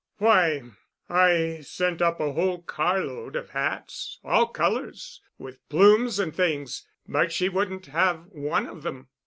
Why, I sent up a whole carload of hats—all colors, with plumes and things, but she wouldn't have one of them."